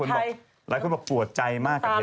หลายคนบอกตัวใจมาก